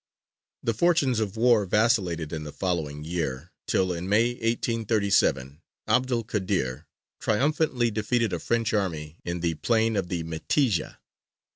The fortunes of war vacillated in the following year, till in May, 1837, 'Abd el Kādir triumphantly defeated a French army in the plain of the Metija.